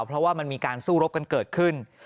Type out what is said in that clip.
เพราะว่ามันมีการสู้รบกันเกิดขึ้น